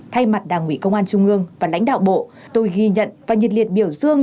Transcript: thay mặt đảng ủy công an trung ương và lãnh đạo bộ tôi ghi nhận và nhiệt liệt biểu dương